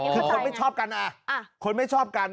คือคนไม่ชอบกันคนไม่ชอบกัน